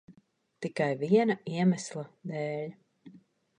Tikai viena iemesla dēļ.